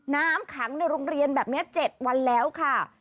น้ำขังในโรงเรียนแบบนี้๗วันแล้วค่ะ